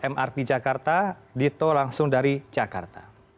mrt jakarta dito langsung dari jakarta